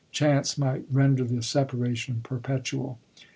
Chance might render the separation perpetual.